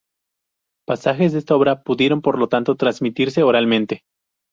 Pasajes de esta obra pudieron, por tanto, transmitirse oralmente.